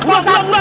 nah gitu dah